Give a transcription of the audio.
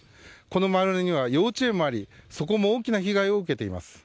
この周りには、幼稚園もありそこも大きな被害を受けています。